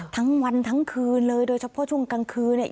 ทั้งวันทั้งคืนเลยโดยเฉพาะช่วงกลางคืนเนี่ย